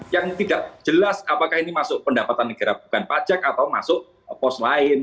yang tidak jelas apakah ini masuk pendapatan negara bukan pajak atau masuk pos lain